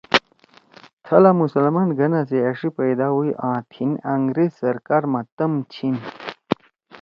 تھلا مسلمان گھنا سی أݜی پدا ہُوئی آں تھیِن انگریز سرکار ما تم چھیِن